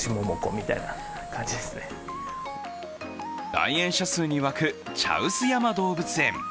来園者数にわく茶臼山動物園。